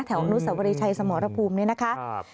แถวอังนุษย์สวริชัยสมรภูมิเนี่ยนะคะ